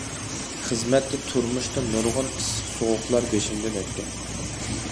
خىزمەتتە تۇرمۇشتا نۇرغۇن ئىسسىق سوغۇقلار بېشىمدىن ئۆتتى.